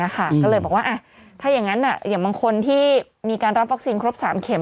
ก็เลยบอกว่าถ้าอย่างนั้นอย่างบางคนที่มีการรับวัคซีนครบ๓เข็ม